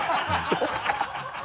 ハハハ